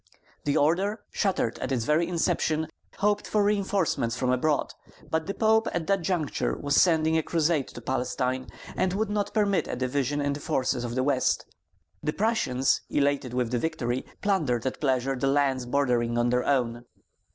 The order, shattered at its very inception, hoped for reinforcements from abroad; but the Pope at that juncture was sending a crusade to Palestine, and would not permit a division in the forces of the West. The Prussians, elated with victory, plundered at pleasure the lands bordering on their own.